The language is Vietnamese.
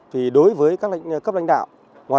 thì đối với các lãnh đạo